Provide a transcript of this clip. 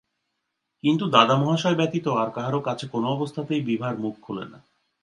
কিন্তু দাদা মহাশয় ব্যতীত আর কাহারাে কাছে কোন অবস্থাতেই বিভার মুখ খুলে না।